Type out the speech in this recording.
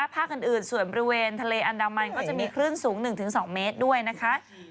ภาคอื่นส่วนบริเวณทะเลอันดามันก็จะมีคลื่นสูง๑๒เมตรด้วยนะคะ